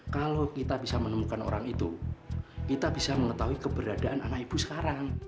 kalau kita bisa menemukan orang itu kita bisa mengetahui keberadaan anak ibu sekarang